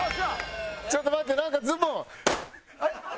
ちょっと待ってなんかズボン。